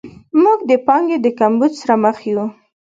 موږ د پانګې د کمبود سره مخ یو.